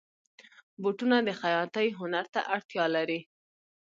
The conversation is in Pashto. بوټونه د خیاطۍ هنر ته اړتیا لري.